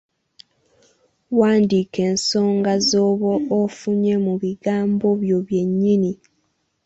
Wandiika ensonga z'oba ofunye mu bigambo byo byennyini.